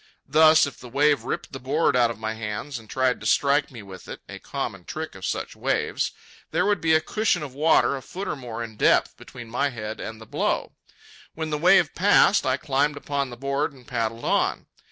Thus, if the wave ripped the board out of my hands and tried to strike me with it (a common trick of such waves), there would be a cushion of water a foot or more in depth, between my head and the blow. When the wave passed, I climbed upon the board and paddled on.